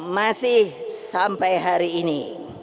masih sampai hari ini